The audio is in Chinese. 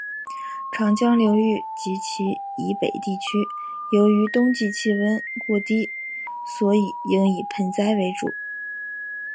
长江流域及其以北地区由于冬季气温过低所以应以盆栽为主。